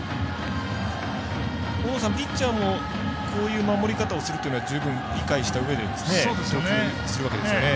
ピッチャーもこういう守り方をするというのは十分理解したうえで投球するわけですよね。